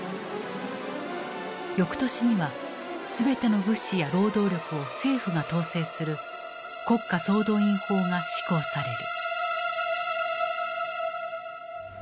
翌年には全ての物資や労働力を政府が統制する「国家総動員法」が施行される。